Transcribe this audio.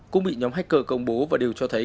cũng bị nhóm hacker công bố và đều cho thấy